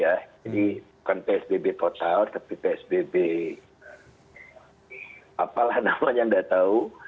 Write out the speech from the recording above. jadi bukan psbb total tapi psbb apalah namanya nggak tahu